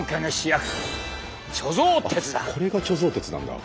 あっこれが貯蔵鉄なんだ！